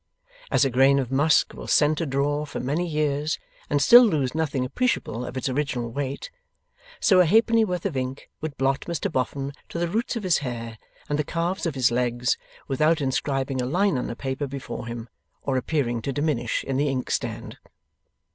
As a grain of musk will scent a drawer for many years, and still lose nothing appreciable of its original weight, so a halfpenny worth of ink would blot Mr Boffin to the roots of his hair and the calves of his legs, without inscribing a line on the paper before him, or appearing to diminish in the inkstand.